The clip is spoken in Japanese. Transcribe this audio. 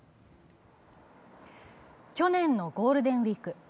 去年のゴールデンウイーク。